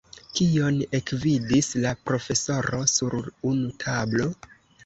Kion ekvidis la profesoro sur unu tablo?